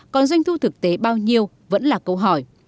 còn doanh thu thực tế bao nhiêu vẫn là câu hỏi